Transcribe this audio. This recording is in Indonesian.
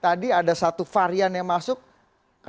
jangan lupa saya ada maksudnya